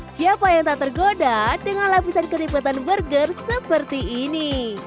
siapa yang tak tergoda dengan lapisan keripitan burger seperti ini